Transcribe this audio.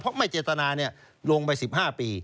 เพราะไม่เจตนาลงไป๑๕ปี